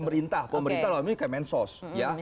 pemerintah pemerintah kalau misalnya kayak mensos